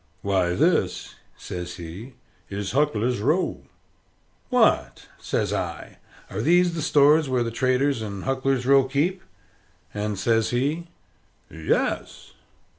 "Why, this," says he, "is Huckler's Row." "What!" says I, "are these the stores where the traders in Huckler's Row keep?" And says he, "Yes."